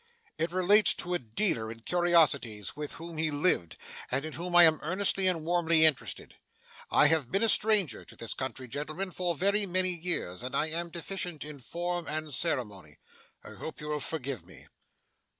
'It relates to a dealer in curiosities with whom he lived, and in whom I am earnestly and warmly interested. I have been a stranger to this country, gentlemen, for very many years, and if I am deficient in form and ceremony, I hope you will forgive me.